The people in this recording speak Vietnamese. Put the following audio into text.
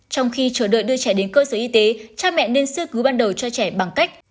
trong khi chờ đợi đưa trẻ đến cơ sở y tế cha mẹ nên sơ cứu ban đầu cho trẻ bằng cách